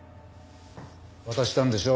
渡したんでしょ？